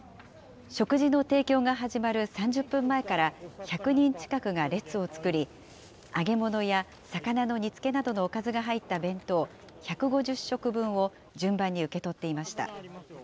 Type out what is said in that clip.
食事の提供が始まる３０分前から、１００人近くが列を作り、揚げ物や魚の煮つけなどのおかずが入った弁当１５０食分を順番に受け取っていました。